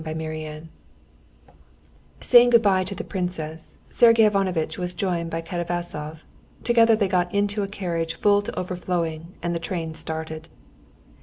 Chapter 3 Saying good bye to the princess, Sergey Ivanovitch was joined by Katavasov; together they got into a carriage full to overflowing, and the train started.